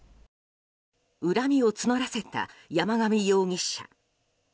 恨みを募らせた山上容疑者。